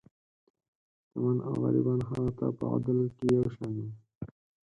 شتمن او غریبان هغه ته په عدل کې یو شان وو.